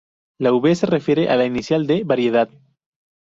La V se refiere a la inicial de "variedad".